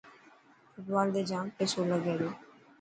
فٽبال تي جام پيسو لگي تو.